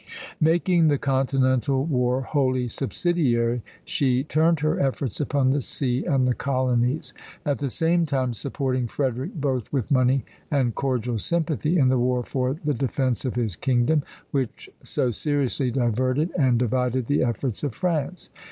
Making the continental war wholly subsidiary, she turned her efforts upon the sea and the colonies; at the same time supporting Frederick both with money and cordial sympathy in the war for the defence of his kingdom, which so seriously diverted and divided the efforts of France.